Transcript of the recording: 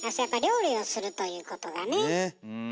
やっぱ料理をするということがね。